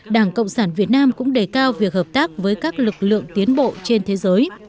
đảng cộng sản việt nam cũng đề cao việc hợp tác với các lực lượng tiến bộ trên thế giới